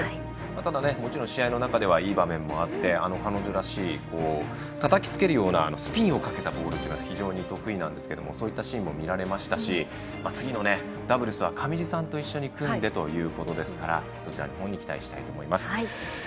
もちろん試合の中ではいい場面もあって、彼女らしいたたきつけるようなスピンをかけたボールというのが非常に得意なんですけどそういったシーンも見られましたし次のダブルスは上地さんと一緒に組んでということですからそちらのほうに期待したいと思います。